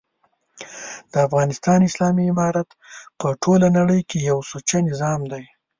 دافغانستان اسلامي امارت په ټوله نړۍ کي یو سوچه نظام دی